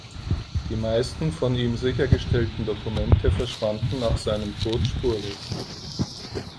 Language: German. Die meisten von ihm sichergestellten Dokumente verschwanden nach seinem Tod spurlos.